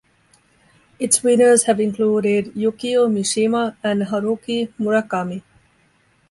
Its winners have included Yukio Mishima and Haruki Murakami.